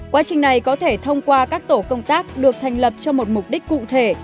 quá trình này có thể thông qua các tổ công tác được thành lập cho một mục đích cụ thể